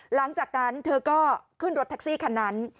หลังจากนั้นเธอก็ขึ้นรถแท็กซี่คันนั้น